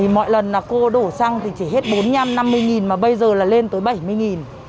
mọi lần là cô đổ xăng thì chỉ hết bốn mươi năm năm mươi mà bây giờ là lên tới bảy mươi